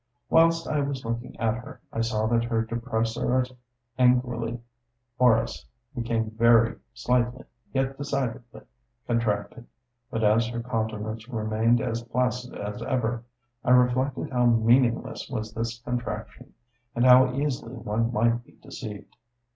Whilst I was looking at her, I saw that her depressores anguli oris became very slightly, yet decidedly, contracted; but as her countenance remained as placid as ever, I reflected how meaningless was this contraction, and how easily one might be deceived.